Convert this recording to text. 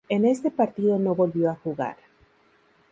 En ese partido no volvió a jugar.